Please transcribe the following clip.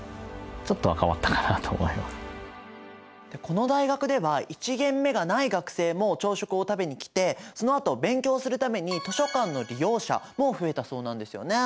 この大学では１限目がない学生も朝食を食べに来てそのあと勉強するために図書館の利用者も増えたそうなんですよね。